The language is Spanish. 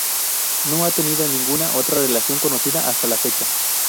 No ha tenido ninguna otra relación conocida hasta la fecha.